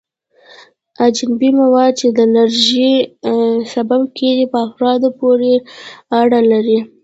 اجنبي مواد چې د الرژي سبب کیږي په افرادو پورې اړه لري.